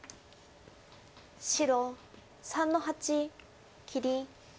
白３の八切り。